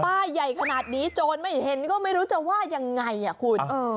ใหญ่ขนาดนี้โจรไม่เห็นก็ไม่รู้จะว่ายังไงอ่ะคุณ